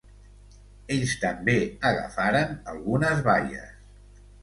Ells també agafaran algunes baies.